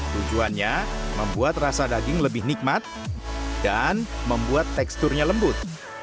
tujuannya membuat rasa daging lebih nikmat dan membuat teksturnya lembut